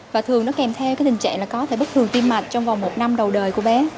và thường nó kèm theo tình trạng có thể bức thường tim mạch trong vòng một năm đầu đời của bé